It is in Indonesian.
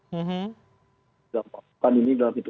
menggambarkan ini dalam situ